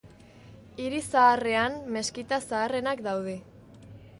Hiri zaharrean, meskita zaharrenak daude.